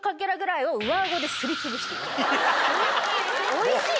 おいしい？